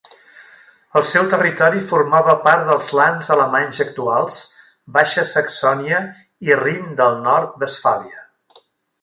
El seu territori formava part dels lands alemanys actuals Baixa Saxònia i Rin del Nord-Westfàlia.